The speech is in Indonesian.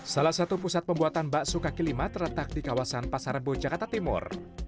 salah satu pusat pembuatan bakso kaki lima terletak di kawasan pasar rebo jakarta timur